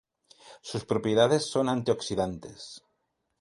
Sus propiedades son antioxidantes.